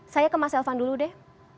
saya ke mas elvan dulu deh